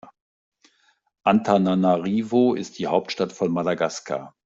Antananarivo ist die Hauptstadt von Madagaskar.